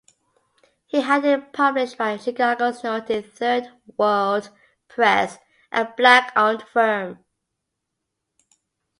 He had it published by Chicago's noted Third World Press, a black-owned firm.